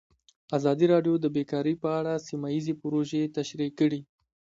ازادي راډیو د بیکاري په اړه سیمه ییزې پروژې تشریح کړې.